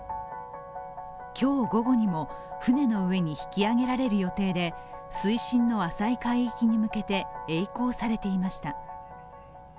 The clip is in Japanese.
今日午後にも、船の上に引き揚げられる予定で水深の浅い海域に向けてえい航されていました。